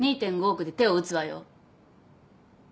２．５億で手を打つわよ。